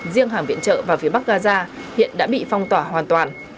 riêng hàng viện trợ vào phía bắc gaza hiện đã bị phong tỏa hoàn toàn